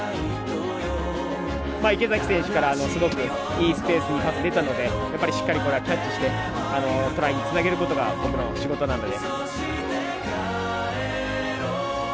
池崎選手からいいスペースにパス、出たのでしっかりキャッチしてトライにつなげることが僕の仕事なので。